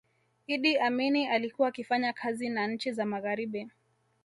iddi amini alikuwa akifanya kazi na nchi za magharibi